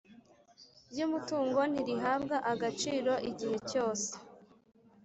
ry umutungo ntirihabwa agaciro igihe cyose